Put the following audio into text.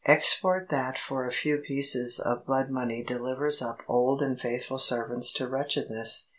Export that for a few pieces of blood money delivers up old and faithful servants to wretchedness."